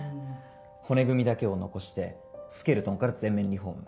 骨組みだけを残してスケルトンから全面リ